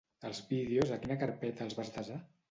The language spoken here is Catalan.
Els vídeos a quina carpeta els vas desar?